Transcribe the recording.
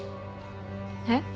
えっ？